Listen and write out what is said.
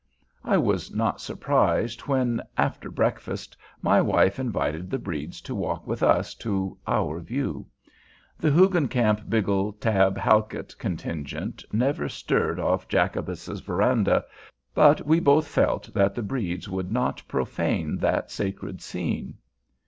I was not surprised when, after breakfast, my wife invited the Bredes to walk with us to "our view." The Hoogencamp Biggle Tabb Halkit contingent never stirred off Jacobus's veranda; but we both felt that the Bredes would not profane that sacred scene.